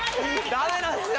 ダメなんすよ！